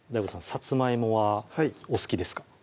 さつまいもはお好きですか？